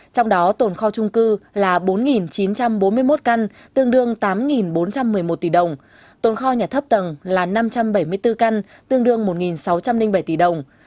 trong đó tồn kho trung cư là bốn chín trăm bốn mươi một căn tương đương tám bốn trăm một mươi một tỷ đồng tồn kho nhà thấp tầng là năm trăm bảy mươi bốn căn tương đương một sáu trăm linh bảy tỷ đồng